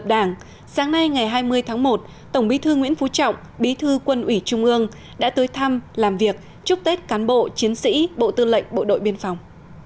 bí thư quân ủy trung ương đã tới thăm làm việc chúc tết cán bộ chiến sĩ bộ tư lệnh bộ đội biên phòng